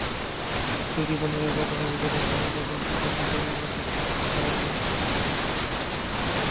দুই ডিফেন্ডারকে কাটানো রুবেলের সামনে তখন শুধু ভুটানের গোলরক্ষক গায়ালশেন জাঙপো।